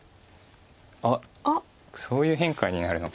あっそういう変化になるのか。